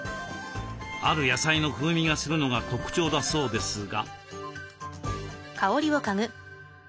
ある野菜の風味がするのが特徴だそうですが。